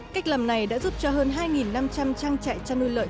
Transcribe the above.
cách làm này đã giúp cho hơn hai năm trăm linh trang trại trăn nuôi